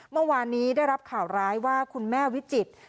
เมื่อวานนี้ได้รับข่าวร้ายว่าคุณแม่วิจิตร